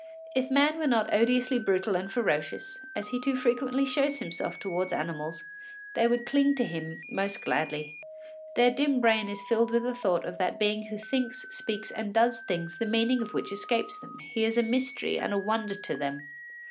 If man were not odiously brutal and ferocious, as he too frequently shows himself towards animals, they would cling to him most gladly. Their dim brain is filled with the thought of that being who thinks, speaks, and does things the meaning of which escapes them; he is a mystery and a wonder to them.